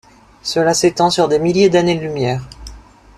Cela s'étend sur des milliers d'années-lumière.